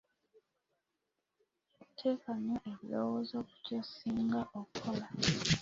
Teeka nnyo ebirowoozo ku ky'osinga okukola.